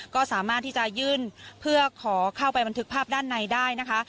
ก็สามารถที่จะยื่นเพื่อขอเข้าไปบันทึกภาพด้านในได้นะคะ